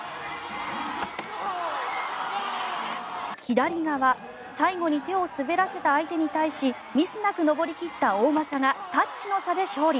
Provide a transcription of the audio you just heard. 左側最後に手を滑らせた相手に対しミスなく登り切った大政がタッチの差で勝利。